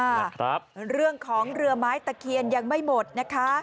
ครับเรื่องของเรือไม้ตะเคียนยังไม่หมดนะคะ